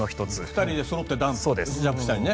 ２人でそろってジャンプしたりね。